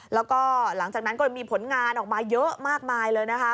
แล้วก็หลังจากนั้นก็มีผลงานออกมาเยอะมากมายเลยนะคะ